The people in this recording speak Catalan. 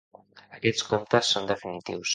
Aquests comptes són definitius.